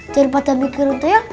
daripada mikirin tuyul